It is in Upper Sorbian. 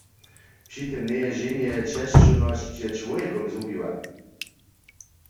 Při tym njeje ženje česćownosć před čłowjekom zhubiła.